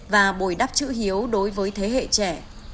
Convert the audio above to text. và bồi đắp chữ hiếu đối với thế hệ trẻ